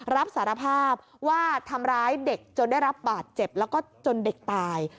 รับสารภาพว่าทำร้ายเด็กจนได้รับบาดเจ็บแล้วก็จนเด็กตาย